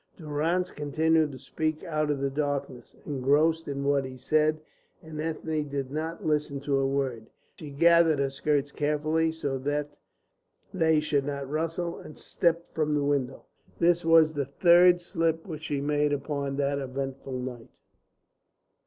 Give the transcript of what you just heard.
Durrance continued to speak out of the darkness, engrossed in what he said, and Ethne did not listen to a word. She gathered her skirts carefully, so that they should not rustle, and stepped from the window. This was the third slip which she made upon that eventful night.